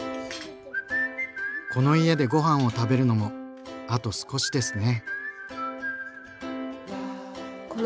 この家でごはんを食べるのもあと少しですね。